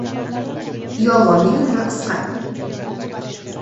• Yolg‘onning umri qisqa.